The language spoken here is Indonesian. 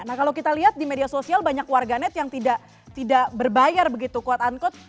nah kalau kita lihat di media sosial banyak warganet yang tidak berbayar begitu quote unquote